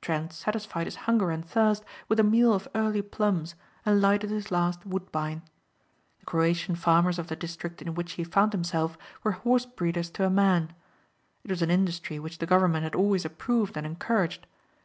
Trent satisfied his hunger and thirst with a meal of early plums and lighted his last Woodbine. The Croatian farmers of the district in which he found himself were horsebreeders to a man. It was an industry which the government had always approved and encouraged.